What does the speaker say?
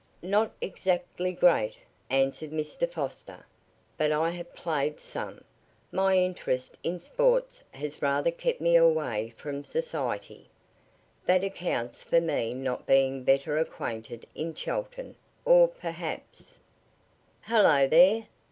"Not exactly great," answered Mr. Foster, "but I have played some. My interest in sports has rather kept me away from society. That accounts for me not being better acquainted in Chelton, or perhaps " "Hello there!"